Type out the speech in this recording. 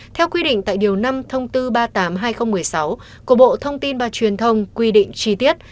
theo quy định tại điều năm thông tư ba mươi tám hai nghìn một mươi sáu của bộ thông tin và truyền thông quy định chi tiết